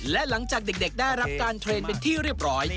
และหลังจากเด็กได้รับการเทรนด์เป็นที่เรียบร้อย